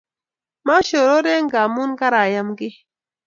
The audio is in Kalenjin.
Mashorore ngamun karaayam ki